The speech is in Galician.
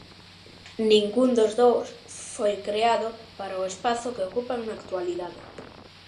Ningún dos dous foi creado para o espazo que ocupan na actualidade.